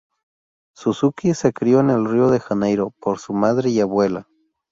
Suzuki se crio en Río de Janeiro, por su madre y abuela.